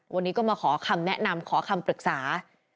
วันนี้ก็มาขอคำแนะนำขอคำปรึกษา